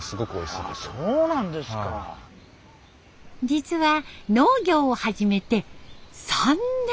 実は農業を始めて３年。